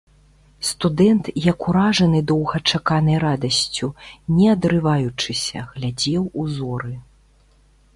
Студэнт, як уражаны доўгачаканай радасцю, не адрываючыся, глядзеў у зоры.